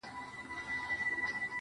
وركه يې كړه.